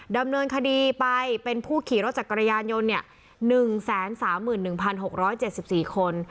ดำเนินคดีไปเป็นผู้ขี่รถจากกรยานยนต์เนี่ยหนึ่งแสนสามหมื่นหนึ่งพันหกร้อยเจ็บสิบสี่คน